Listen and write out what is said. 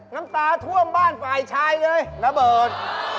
น้ำตาท่วมบ้านฝ่ายชายเลยระเบิด